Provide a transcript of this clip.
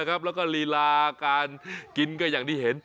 แล้วก็ลีลาการกินก็อย่างที่เห็น